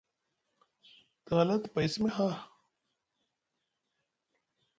Te hala te paya simi haa.